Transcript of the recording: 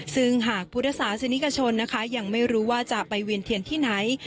ซึ่งหากพุทธศาสนิกชนนะคะยังไม่รู้ว่าจะไปเวียนเทียนที่ไหน